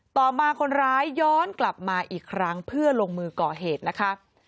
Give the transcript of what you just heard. ต่อมาคนร้ายย้อนกลับมาอีกครั้งเพื่อลงมือก่อเหตุนะคะ